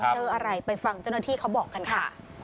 เจออะไรไปฟังเจ้าหน้าที่เขาบอกกันค่ะ